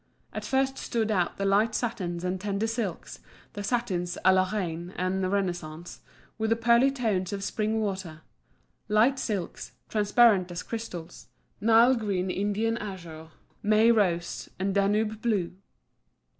At first stood out the light satins and tender silks, the satins a la Reine and Renaissance, with the pearly tones of spring water; light silks, transparent as crystals—Nile green, Indian azure, May rose, and Danube blue.